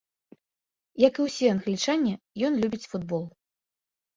Як і ўсе англічане, ён любіць футбол.